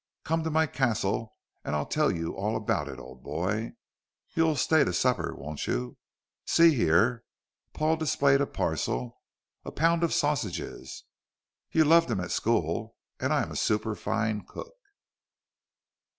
"Come to my castle and I'll tell you all about it, old boy. You'll stay to supper, won't you? See here" Paul displayed a parcel "a pound of sausages. You loved 'em at school, and I'm a superfine cook."